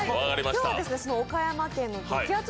今日はその岡山県の激アツ